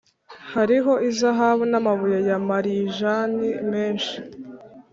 Hariho izahabu n amabuye ya marijani menshi